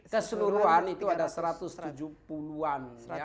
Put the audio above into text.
keseluruhan itu ada satu ratus tujuh puluh an